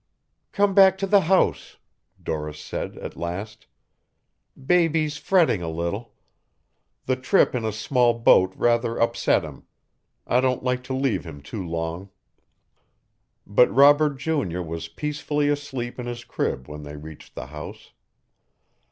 "Come back to the house," Doris said at last. "Baby's fretting a little. The trip in a small boat rather upset him. I don't like to leave him too long." But Robert junior was peacefully asleep in his crib when they reached the house.